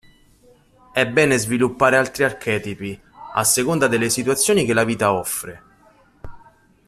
È bene sviluppare altri archetipi, a seconda delle situazioni che la vita offre.